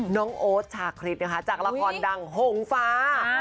น้องโอ๊ดชาคริสจากละครดังหงฟ้า